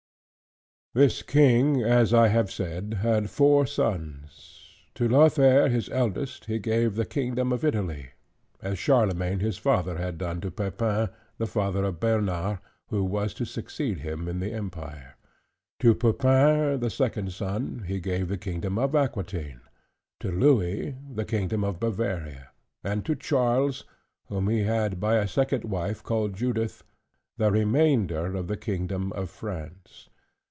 This king, as I have said, had four sons. To Lothair his eldest he gave the Kingdom of Italy; as Charlemagne, his father, had done to Pepin, the father of Bernard, who was to succeed him in the Empire. To Pepin the second son he gave the Kingdom of Aquitaine: to Louis, the Kingdom of Bavaria: and to Charles, whom he had by a second wife called Judith, the remainder of the Kingdom of France.